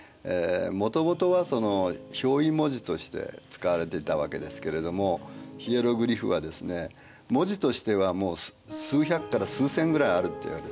もともとは表意文字として使われていたわけですけれどもヒエログリフはですね文字としては数百から数千ぐらいあるっていわれてる。